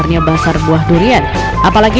macam macam juga terlihat sekali